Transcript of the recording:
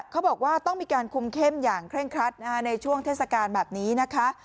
เขาบอกว่าต้องมีการคุมเข้มอย่างเคร่งครัดในช่วงเทศกาลแบบนี้นะคะ